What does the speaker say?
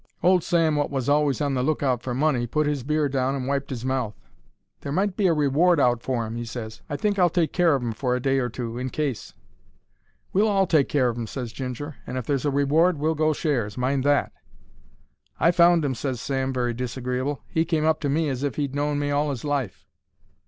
Old Sam, wot was always on the look out for money, put his beer down and wiped 'is mouth. "There might be a reward out for 'im," he ses. "I think I'll take care of 'im for a day or two, in case." "We'll all take care of 'im," ses Ginger; "and if there's a reward we'll go shares. Mind that!" "I found 'im," ses Sam, very disagreeable. "He came up to me as if he'd known me all 'is life."